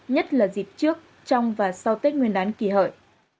nhất là dịp trước trong và sau tết nguyên đán kỳ hợi